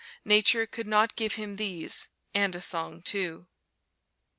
Nature could not give him these and a song too.